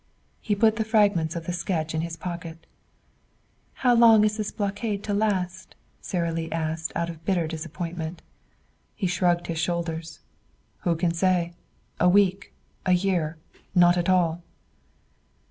He put the fragments of the sketch in his pocket. "How long is this blockade to last?" Sara Lee asked out of bitter disappointment. He shrugged his shoulders. "Who can say? A week! A year! Not at all!"